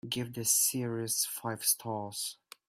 Give this series five stars.